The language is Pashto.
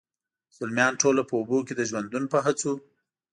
زلمیان ټوله په اوبو کي د ژوندون په هڅو،